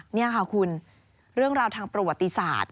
นี่ค่ะคุณเรื่องราวทางประวัติศาสตร์